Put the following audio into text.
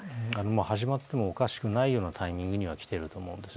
始まってもおかしくないようなタイミングには来てると思います。